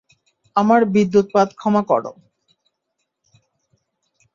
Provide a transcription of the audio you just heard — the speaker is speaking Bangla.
আমার বিদ্যুৎপাত ক্ষমা করো।